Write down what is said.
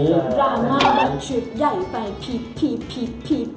ดราม่าละชิบใหญ่ไปพีบ